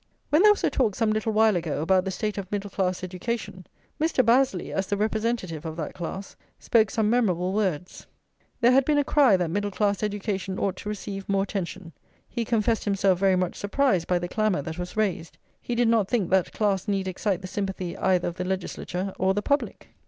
When there was a talk some little while ago about the state of middle class education, Mr. Bazley, as the representative of that class, spoke some memorable words: "There had been a cry that middle class education ought to receive more attention. He confessed himself very much surprised by the clamour that was raised. He did not think that class need excite the sympathy either of the legislature or the public."